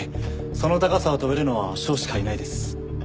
その高さを跳べるのは翔しかいないです。